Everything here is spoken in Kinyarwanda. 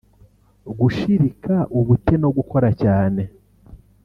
gushirika ubute no gukora cyane